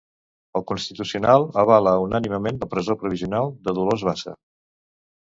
El Constitucional avala unànimement la presó provisional de Dolors Bassa.